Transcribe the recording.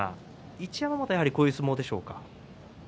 一山本はこういう相撲ですか？